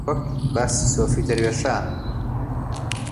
باسی سۆفی و دەروێشان